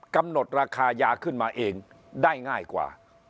กำหนดราคายาขึ้นมาเองได้ง่ายกว่า